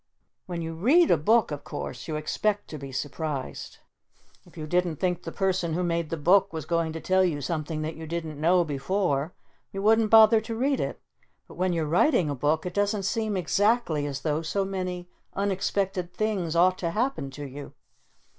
When you read a book, of course, you expect to be surprised. If you didn't think the person who made the book was going to tell you something that you didn't know before you wouldn't bother to read it. But when you're writing a book it doesn't seem exactly as though so many unexpected things ought to happen to you!